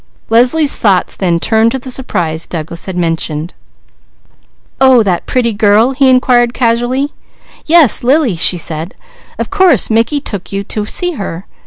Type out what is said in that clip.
Leslie's thoughts then turned to the surprise Douglas had mentioned. "Oh, that pretty girl?" he inquired casually. "Yes, Lily," she said. "Of course Mickey took you to see her!